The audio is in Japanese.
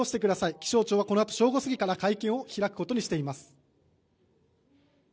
気象庁はこのあと正午過ぎから会見を開くことにしています。